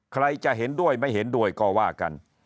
ใครจะเห็นด้วยไม่เห็นด้วยก็ว่ากัน